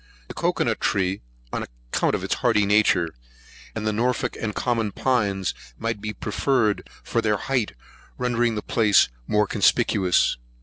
The cocoa nut tree, on account of its hardy nature, and the Norfolk and common pines, might be preferred, from their height rendering the place more conspicuous.